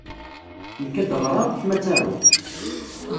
Nekk ad d-ɣreɣ, kemm ad tarud.